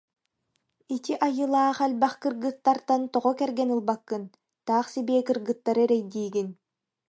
Ити айылаах элбэх кыргыттартан тоҕо кэргэн ылбаккын, таах сибиэ кыргыттары эрэйдиигин